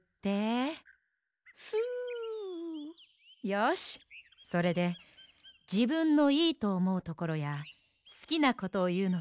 よしそれでじぶんのいいとおもうところやすきなことをいうのさ。